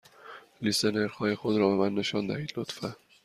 لیست نرخ های خود را به من نشان دهید، لطفا.